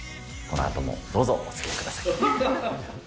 このあともどうぞおつきあいください。